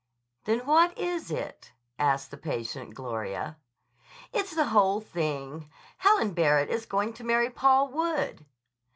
"Then what is it?" asked the patient Gloria. "It's the whole thing. Helen Barrett is going to marry Paul Wood."